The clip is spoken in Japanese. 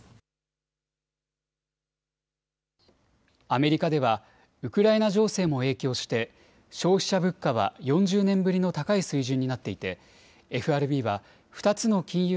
アメリカではウクライナ情勢も影響して、消費者物価は４０年ぶりの高い水準になっていて、ＦＲＢは２つの金融